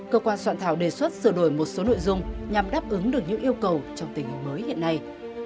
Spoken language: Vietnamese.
cơ quan soạn thảo đề xuất sửa đổi một số nội dung nhằm đáp ứng được những yêu cầu trong tình hình mới hiện nay